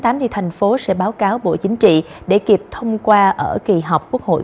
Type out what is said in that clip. thành phố sẽ báo cáo bộ chính trị để kịp thông qua ở kỳ họp quốc hội